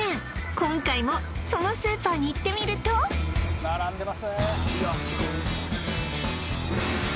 今回もそのスーパーに行ってみるとわあすごい